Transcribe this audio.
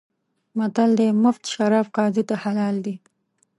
متل دی: مفت شراب قاضي ته حلال دي.